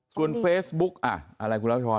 ส่วนเฟซบุ๊กอะไรกูเล่าช้อน